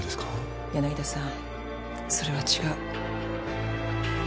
柳田さんそれは違う。